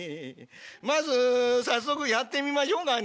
まず早速やってみましょうかね。